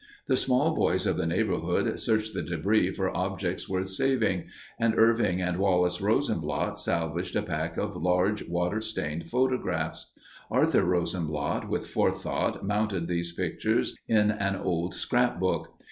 The small boys of the neighborhood searched the debris for objects worth saving, and Irving and Wallace Rosenblatt salvaged a pack of large water stained photographs. Arthur Rosenblatt with forethought mounted these pictures in an old scrapbook.